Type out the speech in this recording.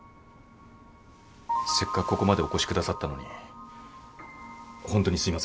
せっかくここまでお越しくださったのにホントにすいません。